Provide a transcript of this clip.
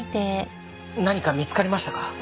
何か見つかりましたか？